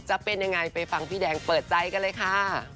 จะเป็นยังไงไปฟังพี่แดงเปิดใจกันเลยค่ะ